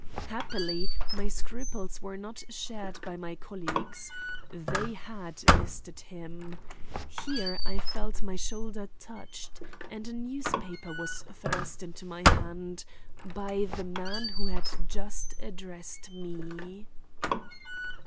Happily, my scruples were not shared by my colleagues. They had listed him. Here I felt my shoulder touched, and a newspaper was thrust into my hand by the man who had just addressed me.